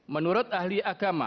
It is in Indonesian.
menurut ahli agama